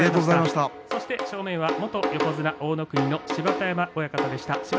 正面は元横綱大乃国の芝田山親方でした。